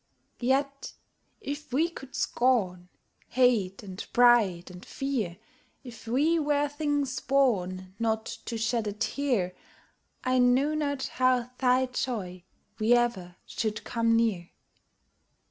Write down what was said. Yet, if we could scorn, Hate and pride, and fear; If we were things born Not to shed a tear, I know not how thy joy we ever should come near.